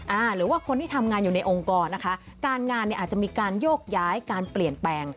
หรือว่าคนที่ทำงานอยู่ในองค์กรนะคะการงานเนี่ยอาจจะมีการโยกย้ายการเปลี่ยนแปลง